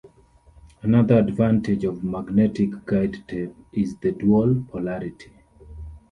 Another advantage of magnetic guide tape is the dual polarity.